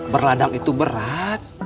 berladang itu berat